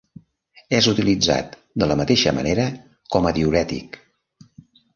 És utilitzat de la mateixa manera com a diürètic.